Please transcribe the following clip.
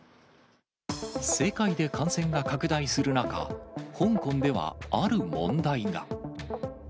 世界で感染が拡大する中、香港ではある問題が。